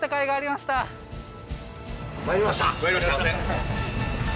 まいりました。